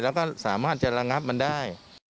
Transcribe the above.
แล้วก็สามารถจะระงับมันได้